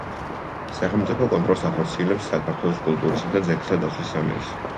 სახელმწიფო კონტროლს ახორციელებს საქართველოს კულტურის და ძეგლთა დაცვის სამინისტრო.